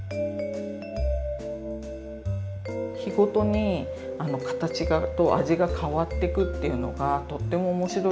日ごとに形と味が変わってくっていうのがとっても面白いですよね。